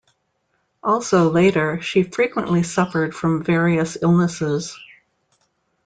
Also, later, she frequently suffered from various illnesses.